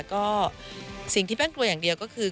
ก็สิ่งที่แป้งกลัวอย่างเดียวก็คือ